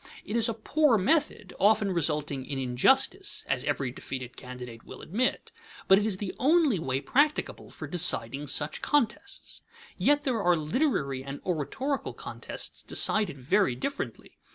It is a poor method, often resulting in injustice (as every defeated candidate will admit); but it is the only way practicable for deciding such contests. Yet there are literary and oratorical contests decided very differently.